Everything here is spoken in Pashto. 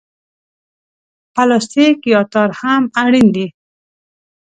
پلاستیک یا تار هم اړین دي.